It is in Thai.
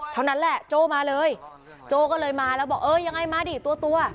เท่านั้นแหละโจ้มาเลยโจ้ก็เลยมาแล้วบอกเออยังไงมาดิตัว